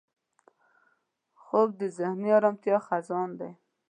خوب د ذهني ارامتیا خزان دی